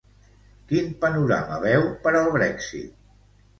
Quin panorama veu per al Brexit?